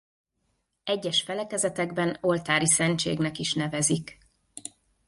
Egyes felekezetekben oltáriszentségnek is nevezik.